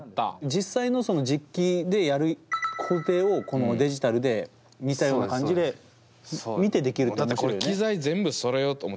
実際の実機でやる工程をこのデジタルで似たような感じで見てできるって面白いよね。